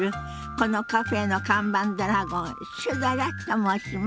このカフェの看板ドラゴンシュドラと申します。